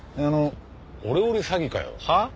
オレオレ詐欺かよ。は？